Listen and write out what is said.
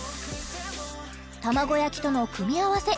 卵焼きとの組み合わせ